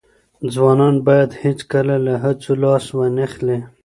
ځوانان باید هیڅکله له هڅو لاس وانخلي.